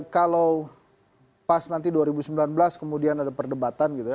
kalau pas nanti dua ribu sembilan belas kemudian ada perdebatan gitu ya